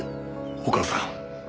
お母さん